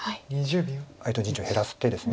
相手の陣地を減らす手です。